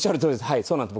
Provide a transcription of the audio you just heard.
はいそうなんです。